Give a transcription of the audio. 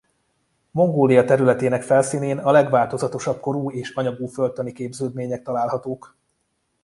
Mongólia területének felszínén a legváltozatosabb korú és anyagú földtani képződmények találhatók.